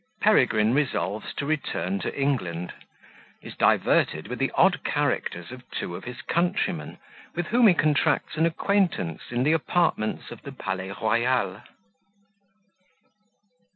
Peregrine resolves to return to England Is diverted with the odd Characters of two of his Countrymen, with whom he contracts an acquaintance in the Apartments of the Palais Royal.